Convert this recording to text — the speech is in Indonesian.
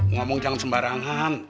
ngomong jangan sembarangan